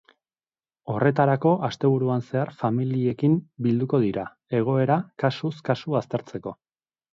Horretarako, asteburuan zehar familiekin bilduko dira, egoera kasuz kasu aztertzeko.